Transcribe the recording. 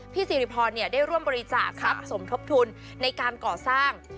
พี่ศิริพรได้ร่วมบริจาคสมทบทุนในการก่อสร้าง